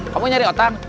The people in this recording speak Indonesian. kamu nyari otang